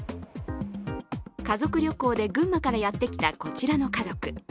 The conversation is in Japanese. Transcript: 家族旅行で群馬からやってきたこちらの家族。